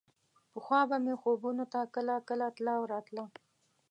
پخوا به مې خوبونو ته کله کله تله او راتله.